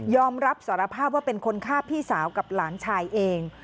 อมรับสารภาพว่าเป็นคนฆ่าพี่สาวกับหลานชายเอง